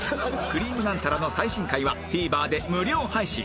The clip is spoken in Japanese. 『くりぃむナンタラ』の最新回は ＴＶｅｒ で無料配信